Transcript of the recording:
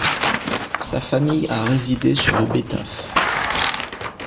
Sa famille a résidé sur Betafe.